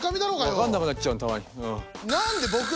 分かんなくなっちゃうたまに。